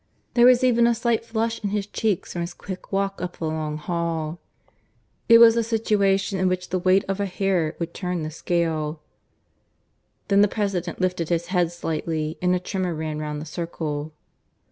There was even a slight flush in his cheeks from his quick walk up the long hall. It was a situation in which the weight of a hair would turn the scale. ... Then the President lifted his head slightly, and a tremor ran round the circle.